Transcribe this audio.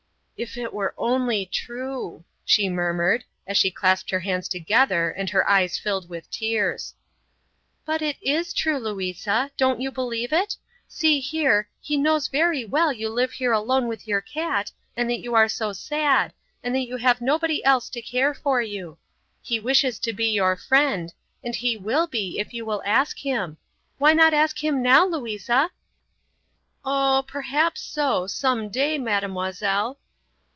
"Oh, if it were only true," she murmured, as she clasped her hands together and her eyes filled with tears. "But it is true, Louisa; don't you believe it? See here, He knows very well you live here alone with your cat, and that you are so sad, and that you have nobody else to care for you. He wishes to be your Friend, and He will be if you will ask Him. Why not ask Him now, Louisa?" "Oh, perhaps so, some day, mademoiselle."